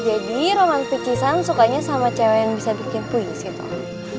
jadi roman pecisan sukanya sama cewe yang bisa bikin puisi toh